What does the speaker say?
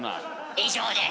以上です。